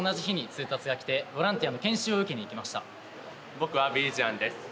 僕はビリジアンです。